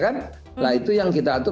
nah itu yang kita atur